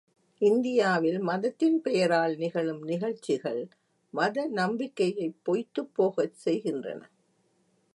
இந்தியாவில் மதத்தின் பெயரால் நிகழும் நிகழ்ச்சிகள் மத நம்பிக்கையைப் பொய்த்துப் போகச் செய்கின்றன.